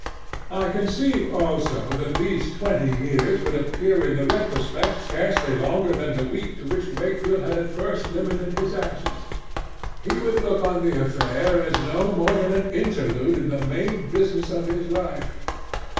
I conceive, also, that these twenty years would appear in the retrospect scarcely longer than the week to which Wakefield had at first limited his absence. He would look on the affair as no more than an interlude in the main business of his life.